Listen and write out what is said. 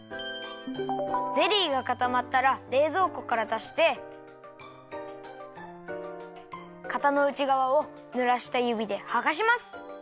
ゼリーがかたまったられいぞうこからだしてかたのうちがわをぬらしたゆびではがします。